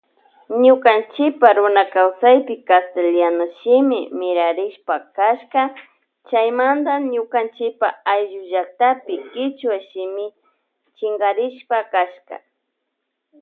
Ñukanchipa runakaysapi castellano shimi mirarishpa kasha chaymanta nukanchipa ayllu llaktapi kichwa shimi shinkarispa kashka.